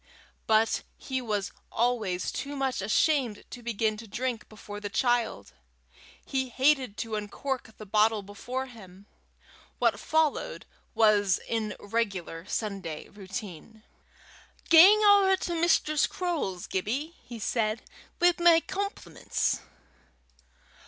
But he was always too much ashamed to begin to drink before the child: he hated to uncork the bottle before him. What followed was in regular Sunday routine. "Gang ower to Mistress Croale's, Gibbie," he said, "wi' my compliments."